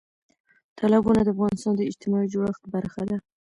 تالابونه د افغانستان د اجتماعي جوړښت برخه ده.